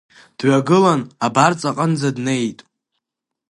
Дҩагылан, абарҵа аҟынӡа днеит.